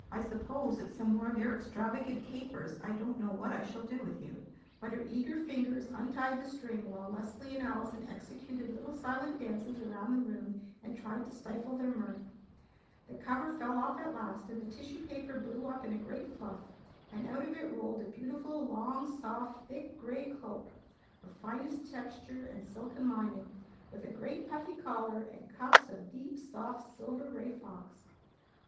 "I suppose it's some more of your extravagant capers. I don't know what I shall do with you!" But her eager fingers untied the string, while Leslie and Allison executed little silent dances around the room and tried to stifle their mirth. The cover fell off at last, and the tissue paper blew up in a great fluff; and out of it rolled a beautiful long, soft, thick gray cloak of finest texture and silken lining, with a great puffy collar and cuffs of deep, soft silver gray fox.